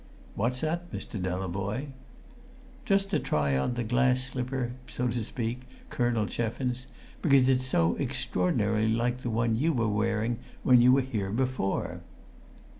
"What's that, Mr. Delavoye?" "Just to try on the glass slipper so to speak, Colonel Cheffins because it's so extraordinarily like the one you were wearing when you were here before!"